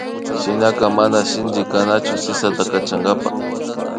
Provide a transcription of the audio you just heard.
Shinaka mana sinchi kanachu sisata kachankapa